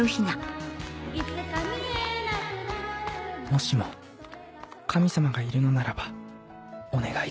もしも神様がいるのならばお願いです